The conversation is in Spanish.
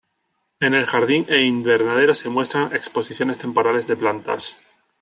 En el jardín e invernadero se muestran exposiciones temporales de plantas.